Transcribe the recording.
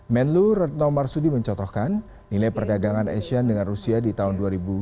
menlu retno marsudi mencotokkan nilai perdagangan asean dengan rusia di tahun dua ribu delapan belas